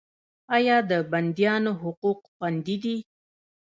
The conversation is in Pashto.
آیا د بندیانو حقوق خوندي دي؟